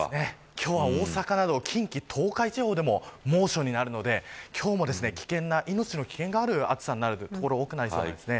今日は大阪など近畿、東海地方でも猛暑になるので今日も命の危険がある暑さになる所が多くなりそうです。